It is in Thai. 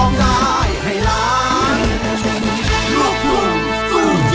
มูรค่า๒บาท